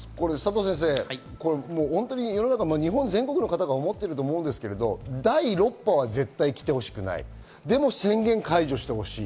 世の中、日本全国の方が思ってると思うんですけれども、第６波は絶対にきてほしくない、でも宣言を解除してほしい。